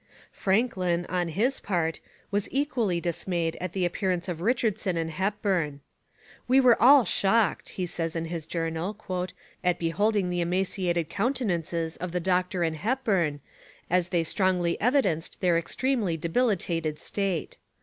Franklin, on his part, was equally dismayed at the appearance of Richardson and Hepburn. 'We were all shocked,' he says in his journal, 'at beholding the emaciated countenances of the doctor and Hepburn, as they strongly evidenced their extremely debilitated state.